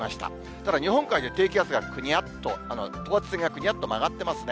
ただ、日本海で低気圧がくにゃっと、等圧線がくにゃっと曲がってますね。